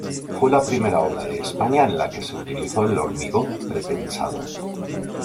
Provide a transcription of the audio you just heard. Fue la primera obra de España en la que se utilizó el hormigón pretensado.